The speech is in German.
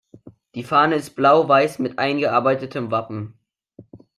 Die Fahne ist Blau-Weiß mit eingearbeitetem Wappen.